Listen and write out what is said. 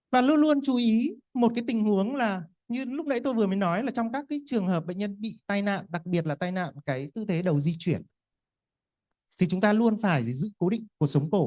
và luôn luôn chú ý một cái tình huống là như lúc nãy tôi vừa mới nói là trong các cái trường hợp bệnh nhân bị tai nạn đặc biệt là tai nạn cái ưu thế đầu di chuyển thì chúng ta giữ cố định cuộc sống cổ